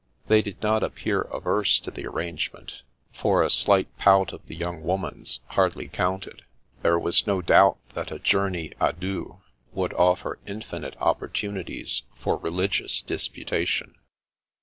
They did not appear averse to the arrangement, for a slight pout of the young woman's hardly counted ; there was no doubt that a journey d deux would offer infinite opportunities for religious disputation.